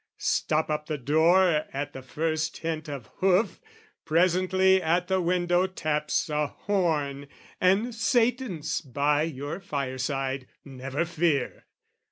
Stop up the door at the first hint of hoof, Presently at the window taps a horn, And Satan's by your fireside, never fear!